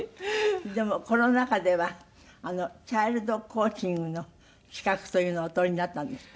でもコロナ禍ではチャイルドコーチングの資格というのをお取りになったんですって？